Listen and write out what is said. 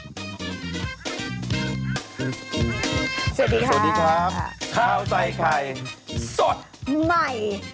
ใหม่